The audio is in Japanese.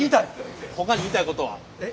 ほかに言いたいことは？